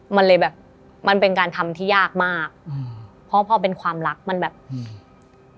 มันเลยแบบมันเป็นการทำที่ยากมากอืมเพราะพอเป็นความรักมันแบบอืม